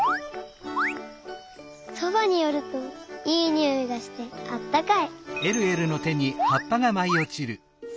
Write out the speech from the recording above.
そばによるといいにおいがしてあったかい。